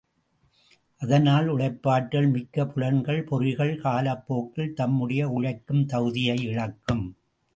அதனால் உழைப்பாற்றல் மிக்க புலன்கள், பொறிகள் காலப்போக்கில் தம்முடைய உழைக்கும் தகுதியை இழக்கும்.